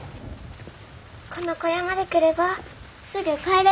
この小屋まで来ればすぐ帰れるから。